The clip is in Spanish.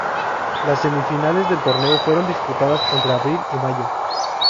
Las semifinales del torneo fueron disputadas entre abril y mayo.